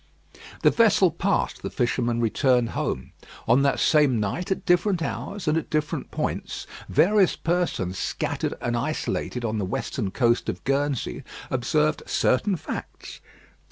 The vessel passed, the fisherman returned home. On that same night, at different hours, and at different points, various persons scattered and isolated on the western coast of Guernsey, observed certain facts.